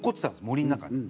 森の中に。